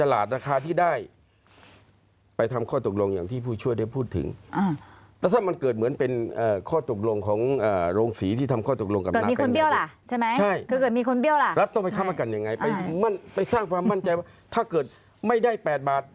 ลัดต้องไปสร้างความมั่นใจถ้าเกิดไม่ได้๘บาท